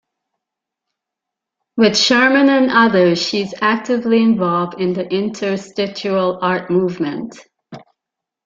With Sherman and others, she is actively involved in the interstitial art movement.